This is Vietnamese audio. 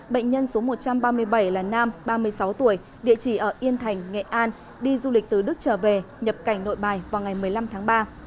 bệnh nhân số một trăm ba mươi bảy là nam ba mươi sáu tuổi địa chỉ ở yên thành nghệ an đi du lịch từ đức trở về nhập cảnh nội bài vào ngày một mươi năm tháng ba